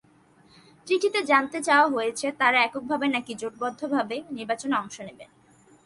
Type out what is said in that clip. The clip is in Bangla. চিঠিতে জানতে চাওয়া হয়েছে, তারা এককভাবে, নাকি জোটবদ্ধভাবে নির্বাচনে অংশ নেবে।